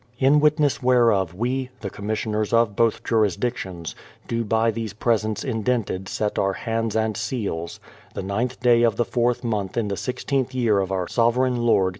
In witness whereof we, the commissioners of both jurisdictions, do by these presents indented set our hands and seals, the ninth day of the fourth month in the i6th year of our sovereign lord.